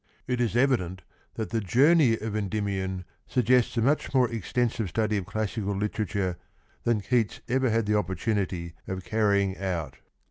It is evident that the journey of Endymion suggests a much more extensive study of classical literature than Keats ever had the opportunity of carrying out.